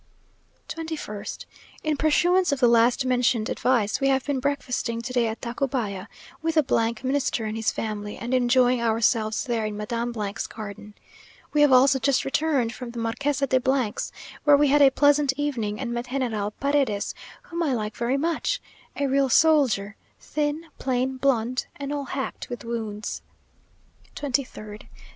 21st. In pursuance of the last mentioned advice, we have been breakfasting to day at Tacubaya, with the Minister and his family, and enjoying ourselves there in Madame 's garden. We have also just returned from the Marquesa de 's, where we had a pleasant evening, and met General Paredes, whom I like very much; a real soldier, thin, plain, blunt, and all hacked with wounds. 23rd.